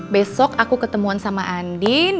besok aku ketemuan sama andin